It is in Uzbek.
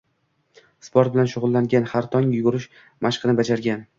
Sport bilan shug`ullangan, har tong yugurish mashqini bajargan